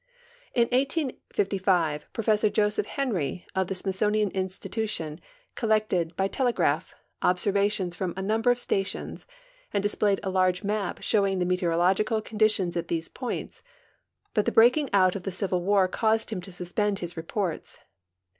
In 1855 Professor Joseph Henr}^, of the Smithsonian Institu tion, collected, by telegraph, observations from a number of stations and displayed a large map showing the meteorological conditions at these points, but the breaking out of the civil war caused him to suspend his reports.